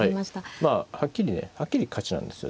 まあはっきりねはっきり勝ちなんですよ